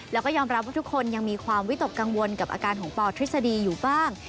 แล้วก็ยอมรับว่าทุกคนยังมีความวิตกกังวลกับอาการของปทฤษฎีอยู่บ้าง